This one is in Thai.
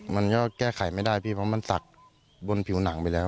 มันก็แก้ไขไม่ได้พี่เพราะมันสักบนผิวหนังไปแล้ว